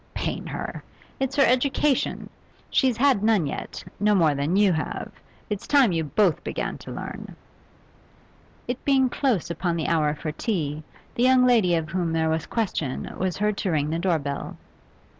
'Pain her! It's her education. She's had none yet, no more than you have. It's time you both began to learn.' It being close upon the hour for tea, the young lady of whom there was question was heard to ring the door bell.